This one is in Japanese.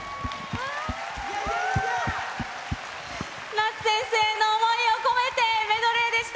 夏先生の思いを込めた、メドレーでした。